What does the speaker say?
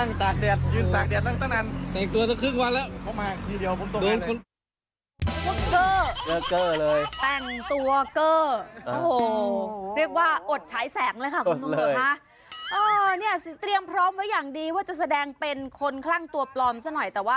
งานเลยครับผมนั่งตากแดดยืนตากแดดนั่งตั้งนั้น